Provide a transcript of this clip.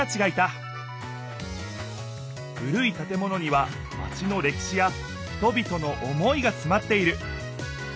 古い建物にはマチのれきしや人びとの思いがつまっている。